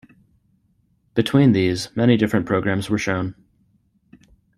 Between these many different programs were shown.